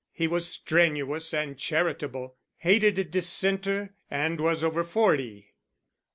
He was strenuous and charitable, hated a Dissenter, and was over forty.